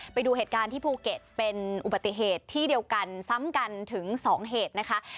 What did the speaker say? ไปดูเหตุการณ์ที่ภูเก็ตเป็นอุบัติเหตุที่เดียวกันซ้ำกันถึง๒เหตุนะคะ